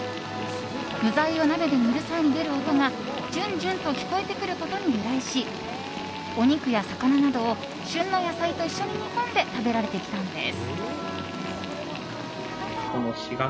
具材を鍋で煮る際に出る音がじゅんじゅんと聞こえてくることに由来しお肉や魚などを旬の野菜と一緒に煮込んで食べられてきたんです。